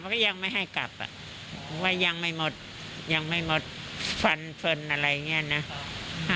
อยากกลับก็ยังไม่ให้กลับอ่ะว่ายังไม่หมดยังไม่หมดฟันเผินอะไรอย่างเงี้ยนะ